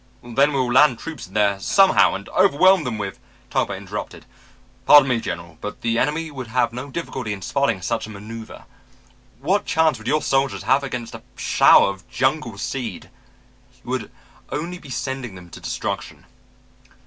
"Then we will land troops in there somehow and overwhelm them with " Talbot interrupted. "Pardon me, General, but the enemy would have no difficulty in spotting such a maneuver. What chance would your soldiers have against a shower of jungle seed? You would only be sending them to destruction.